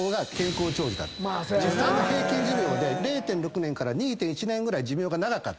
平均寿命で０．６年から２．１年ぐらい寿命が長かった。